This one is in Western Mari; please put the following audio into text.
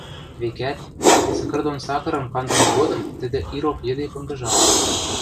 векӓт: сыкыр дон сакырым кандымы годым тӹдӹ ирок йӹде понгыжалтеш.